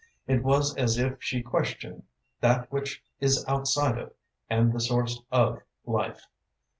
It was as if she questioned that which is outside of, and the source of, life.